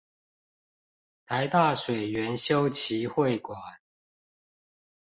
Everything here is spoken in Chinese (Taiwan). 臺大水源修齊會館